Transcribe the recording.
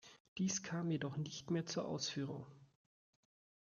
Dies kam jedoch nicht mehr zur Ausführung.